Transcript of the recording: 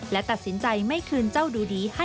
และตัดสินใจไม่คืนเจ้าดูดีให้นางสาวเอ